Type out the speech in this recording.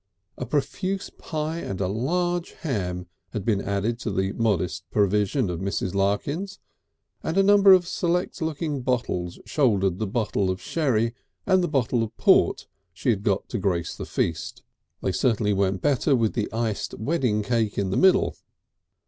A profuse pie and a large ham had been added to the modest provision of Mrs. Larkins, and a number of select looking bottles shouldered the bottle of sherry and the bottle of port she had got to grace the feast. They certainly went better with the iced wedding cake in the middle.